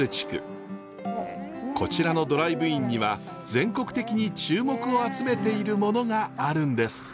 こちらのドライブインには全国的に注目を集めているものがあるんです。